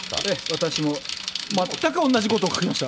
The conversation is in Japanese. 私も全く同じことを書きました。